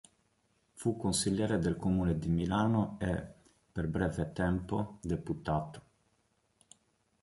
Fu consigliere del comune di Milano e, per breve tempo, deputato.